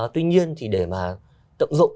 tuy nhiên thì để mà tậm dụng